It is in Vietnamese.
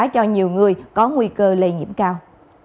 cho nhiều người có nguy cơ lây nhiễm cao